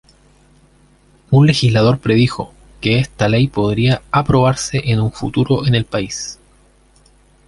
Un legislador predijo, que esta ley podría aprobarse en un futuro en el país.